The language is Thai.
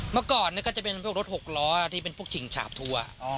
เมื่อก่อนก็จะเป็นพวกรถ๖ล้อที่เป็นพวกฉิงฉาบทัวร์